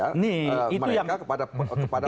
mereka kepada masyarakat